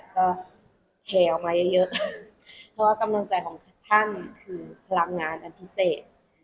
ก็แห่ออกมาเยอะเพราะว่ากำลังใจของท่านคือพลังงานอันพิเศษ